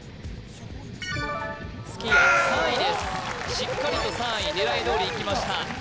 しっかりと３位狙いどおりいきました